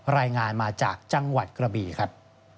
รายงานมาจากจังหวัดกระบีครับ